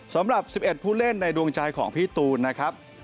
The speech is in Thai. สำหรับ๑๑ผู้เล่นในดวงใจของพี่ตูนนะครับ